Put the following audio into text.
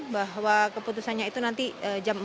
bahwa keputusannya itu nanti jam empat